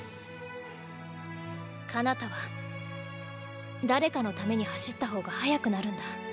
かなたは誰かのために走ったほうが速くなるんだ。